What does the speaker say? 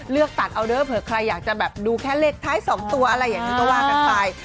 ตัดเอาเด้อเผื่อใครอยากจะแบบดูแค่เลขท้าย๒ตัวอะไรอย่างนี้ก็ว่ากันไป